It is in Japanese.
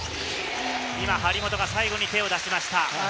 張本が最後に手を出しました。